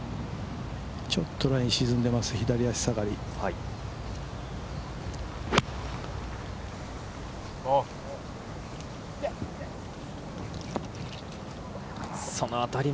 ちょっとライ沈んでます、左足下がり。